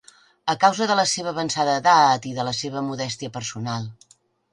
A causa de la seva avançada edat i de la seva modèstia personal.